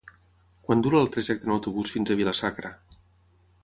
Quant dura el trajecte en autobús fins a Vila-sacra?